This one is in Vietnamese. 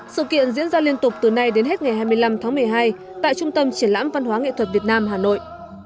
sự kiện diễn ra liên tục từ nay đến hết ngày hai mươi năm tháng một mươi hai tại trung tâm triển lãm văn hóa nghệ thuật việt nam hà nội